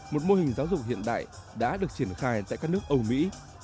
một mô hình giáo dục hiện đại đã được triển khai tại các nước âu mỹ